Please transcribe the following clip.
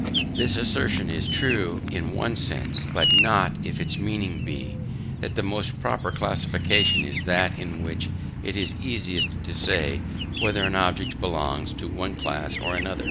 This assertion is true in one sense, but not if its meaning be, that the most proper classification is that in which it is easiest to say whether an object belongs to one class or to the other.